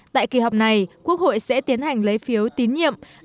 tại kỳ họp này quốc hội sẽ tiến hành lấy phiếu tín nhiệm đối với quốc hội